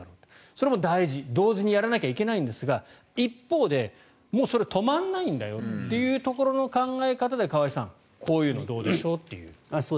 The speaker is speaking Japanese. それも大事同時にやらなきゃいけないんですが一方でそれは止まらないんだよというところの考え方で河合さんこういうのはどうでしょうと。